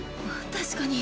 確かに。